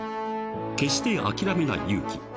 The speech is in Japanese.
［決して諦めない勇気］